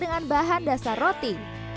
dengan bahan dasar roti